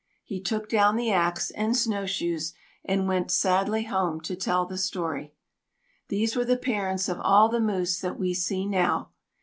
He took down the axe and snowshoes, and went sadly home to tell the story. These were the parents of all the moose that we see now.